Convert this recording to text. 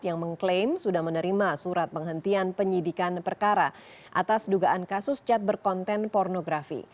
yang mengklaim sudah menerima surat penghentian penyidikan perkara atas dugaan kasus cat berkonten pornografi